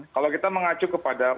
kalau kita mengacu kepada